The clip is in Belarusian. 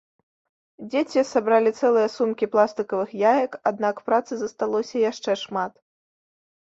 Дзеці сабралі цэлыя сумкі пластыкавых яек, аднак працы засталося яшчэ шмат.